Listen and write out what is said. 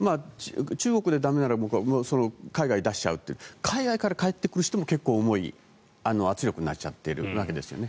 中国で駄目なら海外に出しちゃうという海外から帰ってくる人も結構、重い圧力になっちゃってるわけですね。